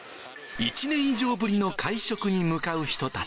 １年以上ぶりの会食に向かう人たち。